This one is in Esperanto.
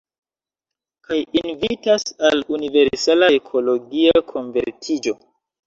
Kaj invitas al universala ekologia konvertiĝo.